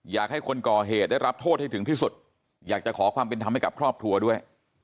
อยากให้คนก่อเหตุได้รับโทษให้ถึงที่สุดอยากจะขอความเป็นธรรมให้กับครอบครัวด้วย